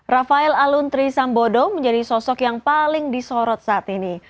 rafael aluntri sambodo menjadi sosok yang paling disorot saat ini